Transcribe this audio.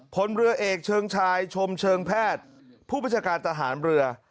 พลเรือเอกเชิงชายชมเชิงแพทย์ผู้บัญชาการทหารเรือ